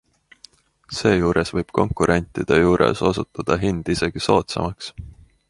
Seejuures võib konkurentide juures osutuda hind isegi soodsamaks.